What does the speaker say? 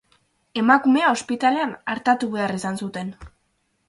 Emakumea ospitalean artatu behar izan zuten.